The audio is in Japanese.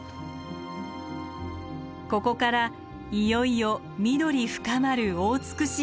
ここからいよいよ緑深まる大尽山の懐へ。